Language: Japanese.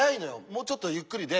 もうちょっとゆっくりで。